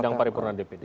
sidang paripurna dpd